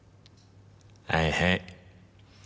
はいはい。